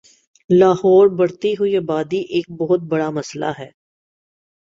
لاہور بڑھتی ہوئی آبادی ایک بہت بڑا مسلہ ہے